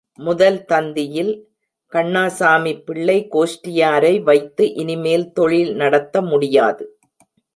முதல் தந்தியில், கண்ணாசாமிப் பிள்ளை கோஷ்டியாரை வைத்து இனிமேல் தொழில் நடத்த முடியாது.